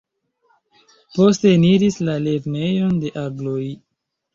Poste eniris la "Lernejon de Agloj".